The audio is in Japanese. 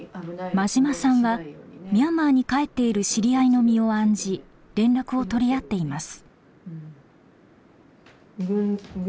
馬島さんはミャンマーに帰っている知り合いの身を案じ連絡を取り合っています。